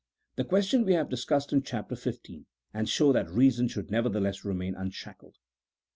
This question we have discussed in Chapter XV., and shown that reason should nevertheless remain unshackled.